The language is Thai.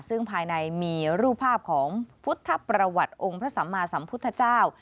ซึ่งภายในมีรูปภาพของพุทธประวัติองค์พระสัมมาสัมพุทธเจ้า